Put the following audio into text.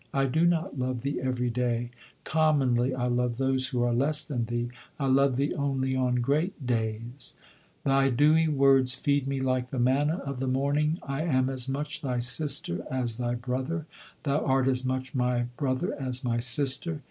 I do not love thee every day commonly I love those who are less than thee; I love thee only on great days. Thy dewy words feed me like the manna of the morning. I am as much thy sister as thy brother; thou art as much my brother as my sister.